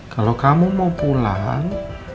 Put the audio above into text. kalau kamu mau pulang